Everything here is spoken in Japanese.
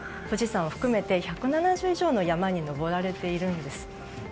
富士山を含めて１７０以上の山に登られているんです。